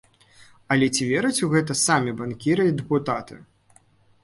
Але ці вераць у гэта самі банкіры і дэпутаты?